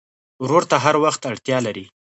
ورور ته هر وخت اړتیا لرې.